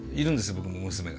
僕も娘が。